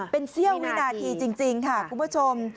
เป็นเสี้ยววินาทีจริงค่ะคุณผู้ชม